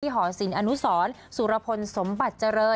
ที่ห่อ